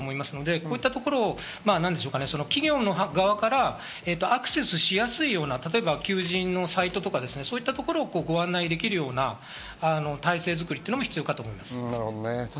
こういったところを企業の側からアクセスしやすいような求人のサイトとか、そういったところをご案内できるような体制作りというのも必要かと思います。